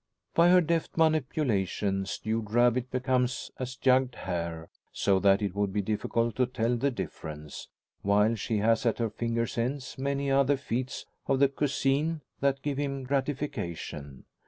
By her deft manipulation, stewed rabbit becomes as jugged hare, so that it would be difficult to tell the difference; while she has at her fingers' ends many other feats of the cuisine that give him gratification.